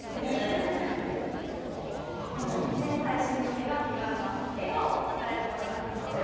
これいいわこの最新の美顔器があれば笑顔を鍛えることができますよ